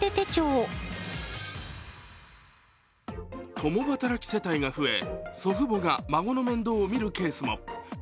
共働き世帯が増え、祖父母が孫の面倒を見るケースも。